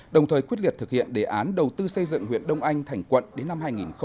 đồng thời quyết liệt thực hiện đề án đầu tư xây dựng huyện đông anh thành quận đến năm hai nghìn hai mươi